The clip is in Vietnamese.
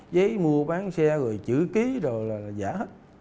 giấy mua bán xe rồi chữ ký rồi là giả hết